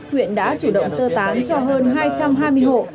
huyện đã chủ động sơ tán cho hơn hai trăm hai mươi hộ